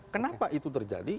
kenapa itu terjadi